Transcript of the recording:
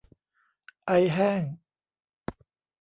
ไอแห้ง